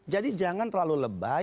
jadi jangan terlalu lebay